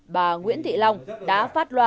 bà nguyễn thị long đã phát loa